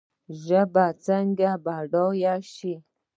ژبه باید څنګه بډایه شي؟